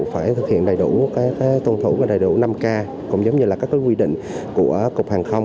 phải thực hiện đầy đủ tuân thủ đầy đủ năm k cũng giống như là các quy định của cục hàng không